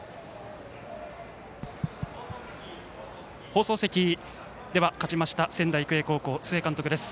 放送席、勝ちました仙台育英高校須江監督です。